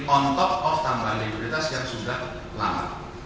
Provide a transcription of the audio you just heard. on top of tambahan likuiditas yang sudah lama